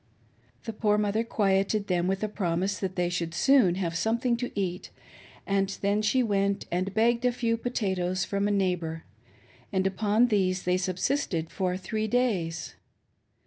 The poor mother quieted them with a promise that they should soon have something to eat, and then she went and begged a few potatoes from a neighbor ; and upon these they subsisted for three days.